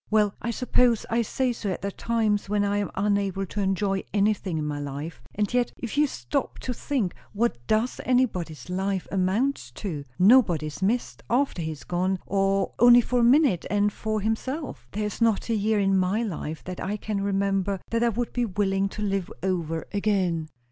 "Well, I suppose I say so at the times when I am unable to enjoy anything in my life. And yet, if you stop to think, what does anybody's life amount to? Nobody's missed, after he is gone; or only for a minute; and for himself There is not a year of my life that I can remember, that I would be willing to live over again."